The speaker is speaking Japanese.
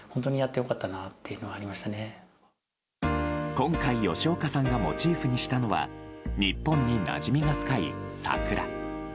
今回、吉岡さんがモチーフにしたのは日本になじみが深い桜。